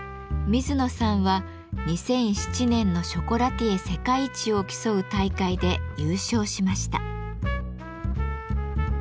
水野さんは２００７年のショコラティエ世界一を競う大会で優勝しました。